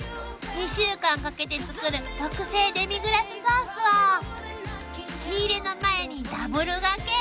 ２週間かけて作る特製デミグラスソースを火入れの前にダブルがけ］